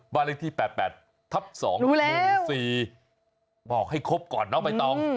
บ้านเลขที่๘๘ทับ๒ฮ๔บอกให้ครบก่อนนะไม่ต้อง